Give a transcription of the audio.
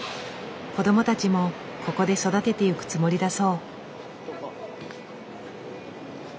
子供たちもここで育てていくつもりだそう。